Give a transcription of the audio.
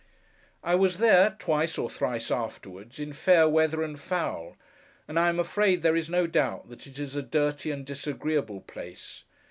I was there, twice or thrice afterwards, in fair weather and foul; and I am afraid there is no doubt that it is a dirty and disagreeable place.